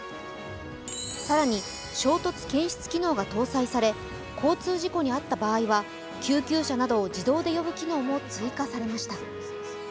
更に、衝突検出機能が搭載され交通事故に遭った場合は救急車などを自動で呼ぶ機能も追加されました。